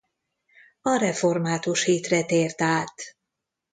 A református hitre tért át.